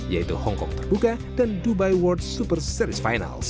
yaitu hongkong terbuka dan dubai world super series final